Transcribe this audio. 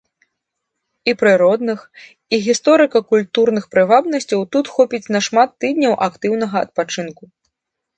І прыродных і гісторыка-культурных прывабнасцяў тут хопіць на шмат тыдняў актыўнага адпачынку.